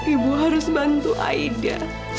ibu harus bantu aida